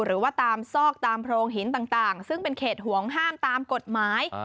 หรือว่าตามซอกตามโพรงหินต่างซึ่งเป็นเขตห่วงห้ามตามกฎหมาย